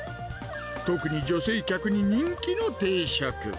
特に女性客に人気の定食。